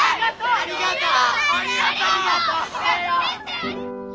ありがとう！